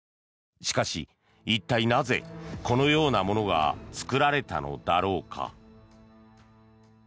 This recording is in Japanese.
しかし、一体なぜこのようなものが作られたのだろうか。